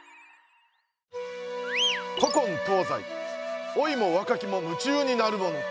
古今東西老いも若きも夢中になるもの。